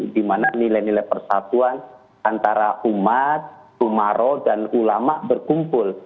di mana nilai nilai persatuan antara umat umaro dan ulama berkumpul